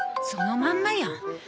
そのまんまやん。